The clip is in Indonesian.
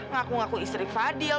ngaku ngaku istri fadil